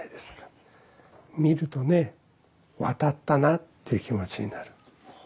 見るとね渡ったなという気持ちになる。